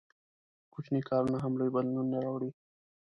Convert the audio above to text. • کوچني کارونه هم لوی بدلونونه راوړي.